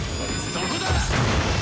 そこだ！